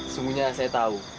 sungguhnya saya tahu